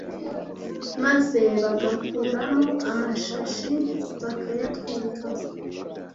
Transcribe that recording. maze bagakuramo amashashi bakayatwika